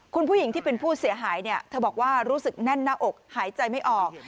คุณผู้หญิงที่เป็นผู้เสียหายเนี่ยเธอบอกว่ารู้สึกแน่นหน้าอกหายใจไม่ออก